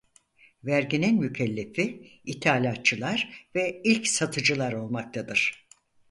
Verginin mükellefi ithalatçılar ve ilk satıcılar olmaktadır.